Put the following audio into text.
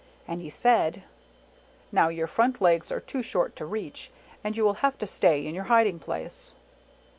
And he said, " Now your front legs are too short to reach, and you will have to stay in your hiding place."